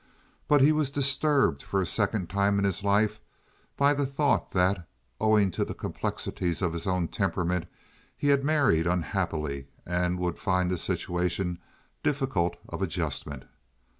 But he was disturbed for a second time in his life by the thought that, owing to the complexities of his own temperament, he had married unhappily and would find the situation difficult of adjustment.